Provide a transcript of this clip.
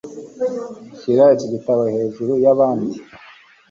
Shyira iki gitabo hejuru yabandi.